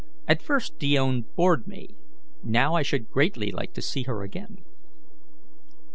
At first Dione bored me; now I should greatly like to see her again."